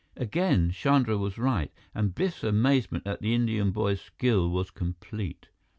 Again Chandra was right, and Biff's amazement at the Indian boy's skill was complete.